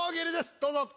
どうぞ。